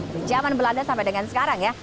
di zaman belanda sampai dengan sekarang ya